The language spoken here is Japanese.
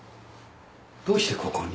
どうしてここに？